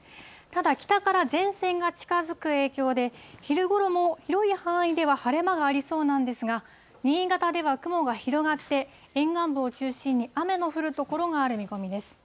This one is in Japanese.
ただ、北から前線が近づく影響で、昼ごろも広い範囲では晴れ間がありそうなんですが、新潟では雲が広がって、沿岸部を中心に雨の降る所がある見込みです。